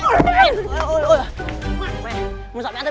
mày mày dọn mày ăn tao đi